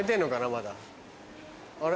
まだあれ？